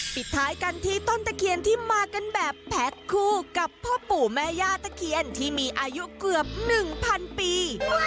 ปิดท้ายกันที่ต้นตะเคียนที่มากันแบบแพ็คคู่กับพ่อปู่แม่ย่าตะเคียนที่มีอายุเกือบ๑๐๐ปี